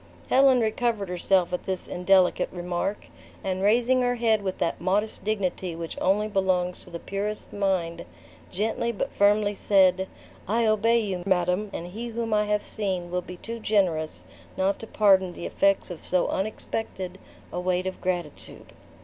Helen recovered herself at this indelicate remark; and raising her head with that modest dignity which only belongs to the purest mind, gently but firmly said, "I obey you, madam; and he whom I have seen will be too generous, not to pardon the effects of so unexpected a weight of gratitude."